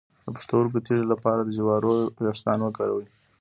د پښتورګو تیږې لپاره د جوارو ویښتان وکاروئ